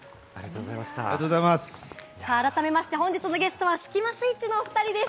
改めまして本日のゲストはスキマスイッチのおふたりです。